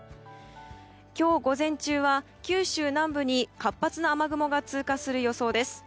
今日午前中は九州南部に活発な雨雲が通過する予想です。